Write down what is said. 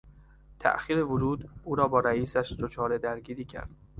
تاخیر ورود، او را با رئیسش دچار درگیری کرد.